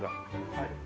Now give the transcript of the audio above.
はい。